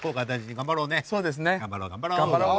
頑張ろう頑張ろう。